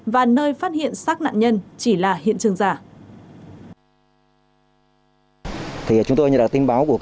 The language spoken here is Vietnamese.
và nơi phát hiện xác nạn nhân chỉ là hiện trường giả